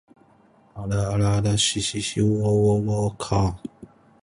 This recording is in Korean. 그는 곁에서 빙수를 먹는 여자의 음성이 차츰 옥점의 그 음성과 흡사하였다.